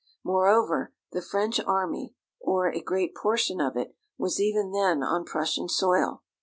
Moreover, the French army, or a great portion of it, was even then on Prussian soil.